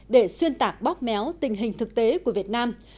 để xuyên tạc bóp méo tình hình thực tế của việt nam